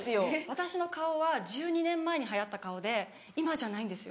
私の顔は１２年前に流行った顔で今じゃないんですよ。